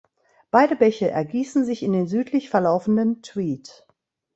Beide Bäche ergießen sich in den südlich verlaufenden Tweed.